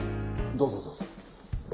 どうぞどうぞ。